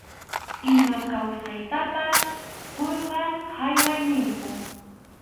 Ima kawsaytapas quyqa hayway ninkum.